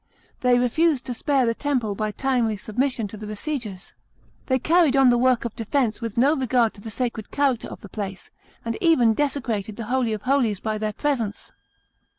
They refused to spare the temple by timely submission to the besiegers. They carried on the work of defence with no regard to the sacred character of the place, and even desecrated the Holy of Holies by their presence.